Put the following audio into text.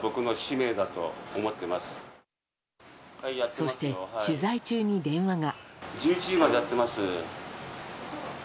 そして、取材中に電話が。